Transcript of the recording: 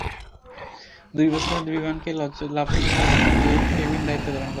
দুই বছরের মধ্যে বিমানকে লাভজনক করার ঘোষণা দিয়ে কেভিন দায়িত্ব গ্রহণ করেন।